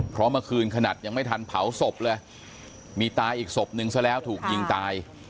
เพราะเมื่อคืนขนาดยังไม่ทันเผาศพเลยมีตายอีกศพนึงซะแล้วถูกยิงตาย